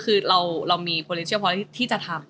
คือเรามีคนเลี้ยงเฉพาะที่จะทำ